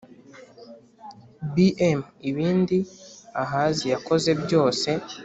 Bm ibindi Ahazi yakoze byose